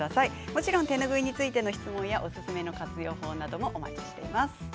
もちろん手ぬぐいについての質問やおすすめの活用方法などもお待ちしております。